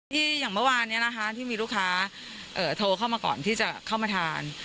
อย่างเมื่อวานนี้นะคะที่มีลูกค้าโทรเข้ามาก่อนที่จะเข้ามาทาน